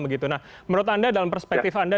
begitu nah menurut anda dalam perspektif anda